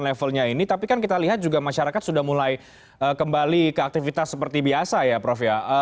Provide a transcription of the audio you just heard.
levelnya ini tapi kan kita lihat juga masyarakat sudah mulai kembali ke aktivitas seperti biasa ya prof ya